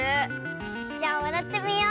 じゃわらってみよう。